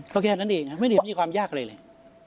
ก็แค่นั้นเองไม่ได้มีความยากอะไรเลย